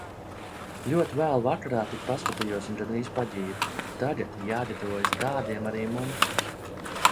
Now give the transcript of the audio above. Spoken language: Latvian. Ļoti vēlu vakarā tik paskatījos un gandrīz paģību. Tagad jāgatavojas tādiem arī mums.